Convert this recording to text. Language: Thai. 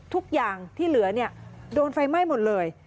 ทุกอย่างที่เหลือโดนไฟไหม้หมดเลย